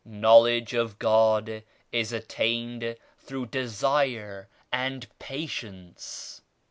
Knowledge of God is attained through Desire and Patience.